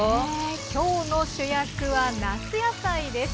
今日の主役は夏野菜です。